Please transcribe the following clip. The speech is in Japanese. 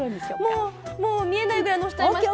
もうもう見えないぐらいのせちゃいました。